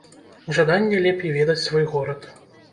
Жаданне лепей ведаць свой горад!